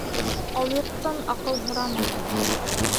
Алйоттан аҡыл һорама.